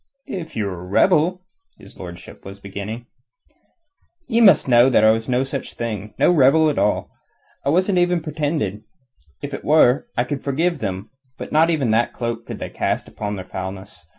"If you were a rebel...?" his lordship was beginning. "Ye must know that I was no such thing no rebel at all. It wasn't even pretended. If it were, I could forgive them. But not even that cloak could they cast upon their foulness.